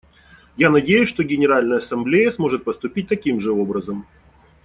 Я надеюсь, что Генеральная Ассамблея сможет поступить таким же образом.